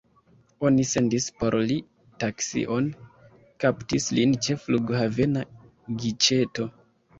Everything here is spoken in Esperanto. Oni sendis por li taksion, kaptis lin ĉe flughavena giĉeto.